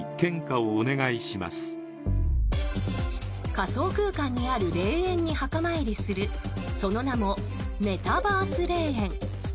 仮想空間にある霊園に墓参りするその名もメタバース霊園。